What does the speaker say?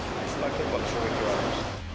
結構な衝撃がありました。